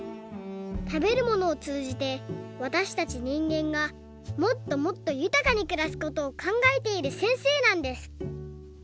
たべるものをつうじてわたしたちにんげんがもっともっとゆたかにくらすことをかんがえているせんせいなんです！